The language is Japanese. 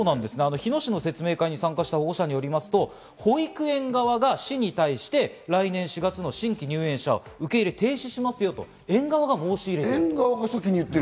日野市の説明会に参加した保護者によりますと保育園側が市に対して来年４月の新規入園者を受け入れ停止しますよと、園側が申し入れている。